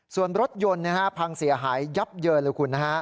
ส่วนรถยนต์พังเสียหายยับเยินเลยคุณนะฮะ